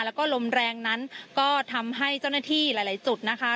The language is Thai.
แล้วก็ลมแรงนั้นก็ทำให้เจ้าหน้าที่หลายจุดนะคะ